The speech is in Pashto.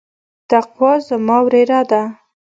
تقوا زما وريره ده.